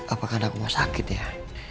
apakah aku mau sakit ya